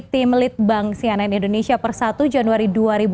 tim lead bank sianen indonesia persatu januari dua ribu dua puluh dua